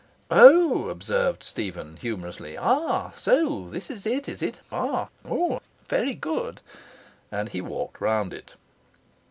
'Oh!' observed Stephen, humorously. 'Ah! So this is it, is it? Ah! Oh! Very good!' And he walked round it.